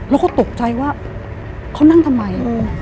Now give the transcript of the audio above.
แล้วก็ตกใจว่าเขานั่งทำไม